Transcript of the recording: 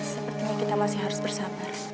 sepertinya kita masih harus bersabar